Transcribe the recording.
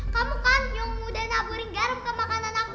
kamu kan yang udah naburin garam ke makanan aku